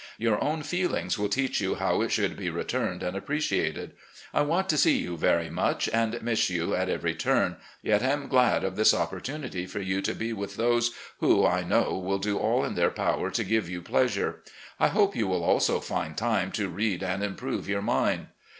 Your own feelings will teach you how it should be returned and appreciated. I want to see you very much, and miss you at every turn, yet am glad of this opportunity for you to be with those who, I know, will do all in their power to give you pleasure. I hope you will also find time to read and improve your mind.